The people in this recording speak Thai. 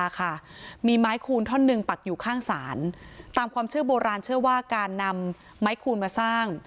มีไม้คูณท่อนหนึ่งปักอยู่ข้างศาลตามความเชื่อโบราณเชื่อว่าการนำไม้คูณมาสร้าง